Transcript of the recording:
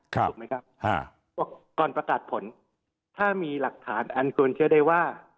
ถูกไหมครับบอกก่อนประกาศผลถ้ามีหลักฐานอันควรเชื่อได้ว่า